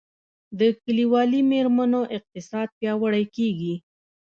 د کلیوالي میرمنو اقتصاد پیاوړی کیږي